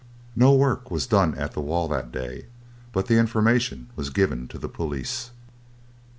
No work was done at the wall that day, but information was given to the police.